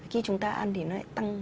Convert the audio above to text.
khi chúng ta ăn thì nó lại tăng